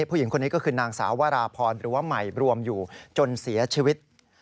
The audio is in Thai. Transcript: ผู้หญิงคนนี้ก็คือนางสาววราพรหรือว่าใหม่รวมอยู่จนเสียชีวิต